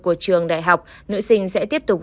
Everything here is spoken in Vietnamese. của trường đại học nữ sinh sẽ tiếp tục